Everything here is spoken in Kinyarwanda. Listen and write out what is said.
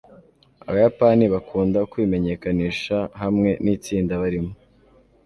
abayapani bakunda kwimenyekanisha hamwe nitsinda barimo